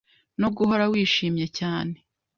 no guhora wishimye cyane